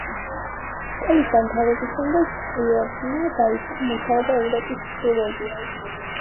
სკოლის დამთავრების შემდეგ ტრიერმა დაიწყო მუშაობა ევროპის ტრილოგიაზე.